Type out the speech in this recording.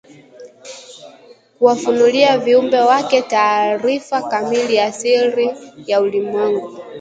kuwafunulia viumbe Wake taarifa kamili ya siri ya ulimwengu